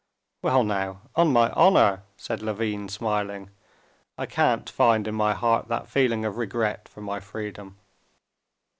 "Well, now, on my honor," said Levin, smiling, "I can't find in my heart that feeling of regret for my freedom."